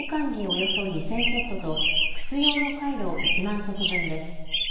およそ２０００セットと靴用のカイロ１万足分です。